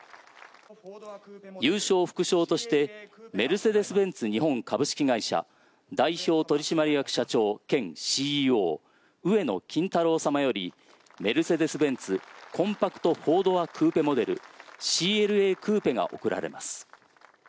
優勝副賞としてメルセデス・ベンツ日本株式会社代表取締役社長兼ＣＥＯ上野金太郎様よりメルセデス・ベンツコンパクト４ドアクーペモデルＣＬＡクーペが贈られます。